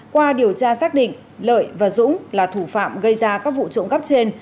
qua điều tra xác định lợi và dũng là thủ phạm gây ra các vụ trộm cắp trên